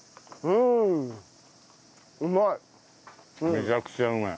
めちゃくちゃうまい。